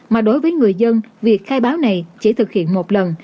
mà đối với người dân việc khai báo này chỉ thực hiện một lần